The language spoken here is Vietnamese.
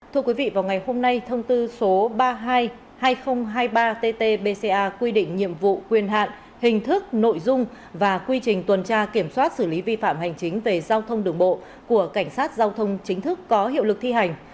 thưa quý vị vào ngày hôm nay thông tư số ba mươi hai hai nghìn hai mươi ba tt bca quy định nhiệm vụ quyền hạn hình thức nội dung và quy trình tuần tra kiểm soát xử lý vi phạm hành chính về giao thông đường bộ của cảnh sát giao thông chính thức có hiệu lực thi hành